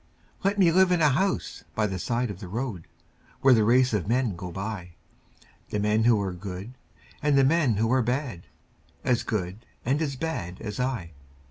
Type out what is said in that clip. Let me live in a house by the side of the road Where the race of men go by The men who are good and the men who are bad, As good and as bad as I.